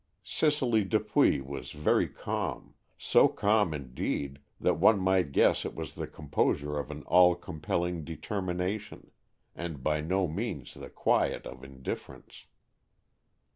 Cicely Dupuy was very calm—so calm, indeed, that one might guess it was the composure of an all compelling determination, and by no means the quiet of indifference.